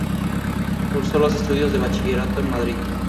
Cursó los estudios de bachillerato en Madrid.